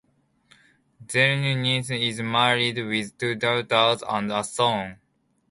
Zelenin is married with two daughters and a son.